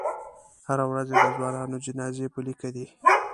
هره ورځ یې د ځوانانو جنازې په لیکه دي.